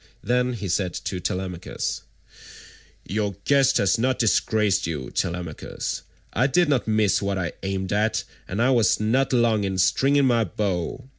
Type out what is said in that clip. Then he said to Telemachus: "Your guest has not disgraced you, Telemachus. I did not miss what I aimed at, and I was not long in stringing my bow.